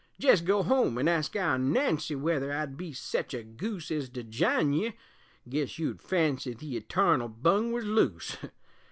Jest go home an' ask our Nancy Wether I'd be sech a goose Ez to jine ye guess you'd fancy The etarnal bung wuz loose!